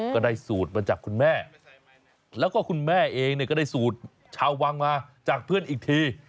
ก็ได้สูตรมาจากคุณแม่แล้วก็คุณแม่เองเนี่ยก็ได้สูตรชาววังมาจากเพื่อนอีกที